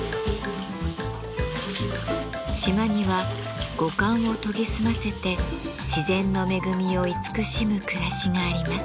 島には五感を研ぎ澄ませて自然の恵みを慈しむ暮らしがあります。